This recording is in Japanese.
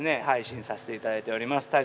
配信させていただいております。